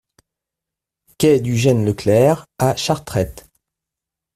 Quai du Gen Leclerc à Chartrettes